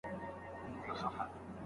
هغه مخکې له زړېدو برس بدل کړ.